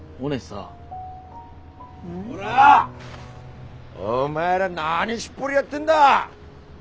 ん？こら！お前ら何しっぽりやってんだ。